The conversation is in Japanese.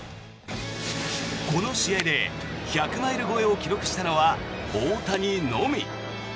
この試合で１００マイル超えを記録したのは大谷のみ。